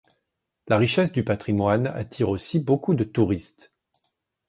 La richesse du patrimoine attire aussi beaucoup de touristes.